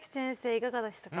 いかがでしたか？